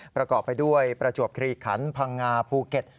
ประกอบไปด้วยประจวบคลีขันพังงาภูเก็ต